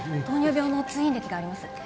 糖尿病の通院歴があります。